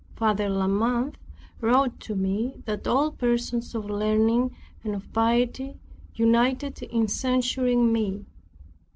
Father de la Mothe wrote to me, that all persons of learning and of piety united in censuring me.